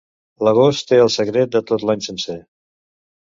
L'agost té el secret de tot l'any sencer.